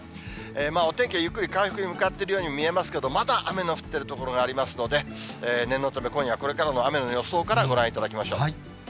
お天気はゆっくり回復に向かっているように見えますけど、まだ雨の降っている所がありますので、念のため、今夜、これからの雨の予想からご覧いただきましょう。